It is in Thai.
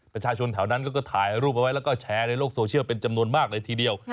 ประชาชนแถวนั้นก็ถ่ายรูปเอาไว้แล้วก็แชร์ในโลกโซเชียลเป็นจำนวนมากเลยทีเดียว